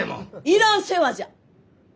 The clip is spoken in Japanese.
いらん世話じゃ！